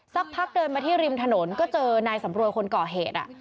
สักพักเดินมาที่ริมถนนก็เจอนายสำรวยคนก่อเหตุ